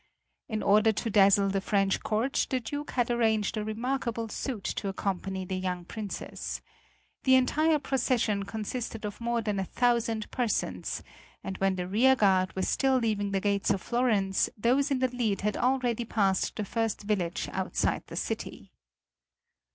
In order to dazzle the French court the Duke had arranged a remarkable suite to accompany the young Princess. The entire procession consisted of more than a thousand persons, and when the rear guard were still leaving the gate of Florence those in the lead had already passed the first village outside the city.